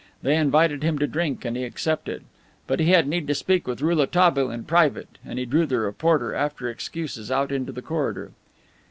They invited him to drink, and he accepted. But he had need to speak to Rouletabille in private, and he drew the reporter, after excuses, out into the corridor.